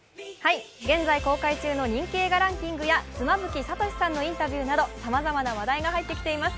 現在公開中の人気映画ランキングや妻夫木聡さんのインタビューなど、さまざまな話題が入ってきています。